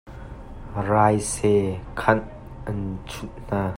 Raise khaan an chunh hna.